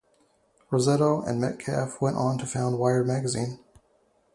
Rossetto and Metcalfe went on to found "Wired" magazine.